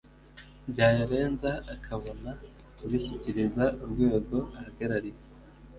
byayarenza akabona kubishyikiriza urwego ahagarariye